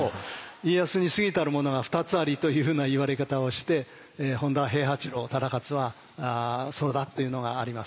家康に過ぎたるものが２つありというふうな言われ方をして本多平八郎忠勝はそれだっていうのがあります。